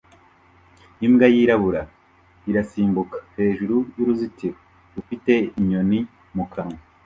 Imbwa yirabura irasimbuka hejuru y'uruzitiro rufite inyoni mu kanwa